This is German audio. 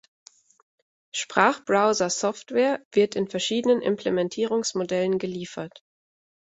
Sprachbrowser-Software wird in verschiedenen Implementierungsmodellen geliefert.